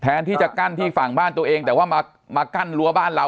ที่จะกั้นที่ฝั่งบ้านตัวเองแต่ว่ามากั้นรั้วบ้านเรา